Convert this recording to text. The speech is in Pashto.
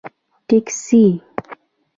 🚖 ټکسي